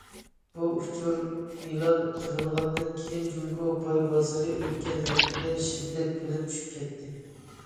بۇ ئۇچۇر ئېلان قىلىنغاندىن كېيىن، جۇڭگو پاي بازىرى ئۆتكەن ھەپتىدە شىددەت بىلەن چۈشۈپ كەتتى.